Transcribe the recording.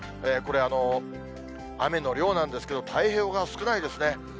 これ、雨の量なんですけど、太平洋側、少ないですね。